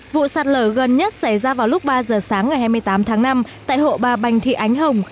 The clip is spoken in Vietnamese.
vụ sạt lở gần nhất xảy ra vào lúc ba giờ sáng ngày hai mươi tám tháng năm tại hộ bà bành thị ánh hồng